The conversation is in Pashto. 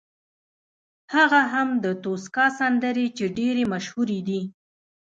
هغه هم د توسکا سندرې چې ډېرې مشهورې دي.